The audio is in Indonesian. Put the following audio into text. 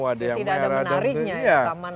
ada yang merah tidak ada menariknya taman